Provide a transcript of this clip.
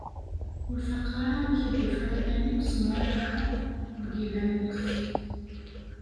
Ur faqeɣ ara amek i d-ufiɣ iman-iw ssemririɣeɣ-t deg yidammen-is.